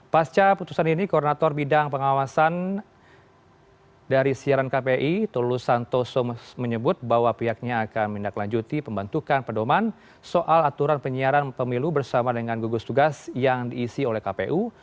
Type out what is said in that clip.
pasca putusan ini koordinator bidang pengawasan dari siaran kpi tulus santoso menyebut bahwa pihaknya akan menindaklanjuti pembentukan pedoman soal aturan penyiaran pemilu bersama dengan gugus tugas yang diisi oleh kpu